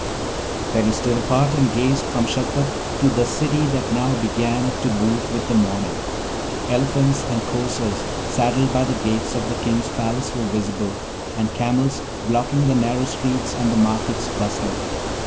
Then he stood apart and gazed from Shagpat to the city that now began to move with the morning; elephants and coursers saddled by the gates of the King's palace were visible, and camels blocking the narrow streets, and the markets bustling.